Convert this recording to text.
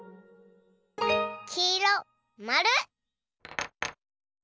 きいろまる。